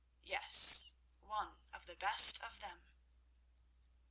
Yes, one of the best of them."